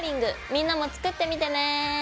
みんなも作ってみてね！